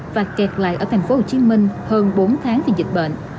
và kẹt lại ở tp hcm hơn bốn tháng vì dịch bệnh